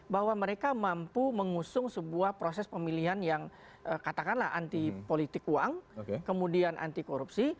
bahwa mereka mampu mengusung sebuah proses pemilihan yang katakanlah anti politik uang kemudian anti korupsi